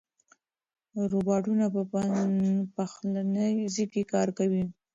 روباټونه په پخلنځي کې کار کوي.